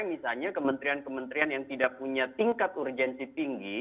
misalnya kementerian kementerian yang tidak punya tingkat urgensi tinggi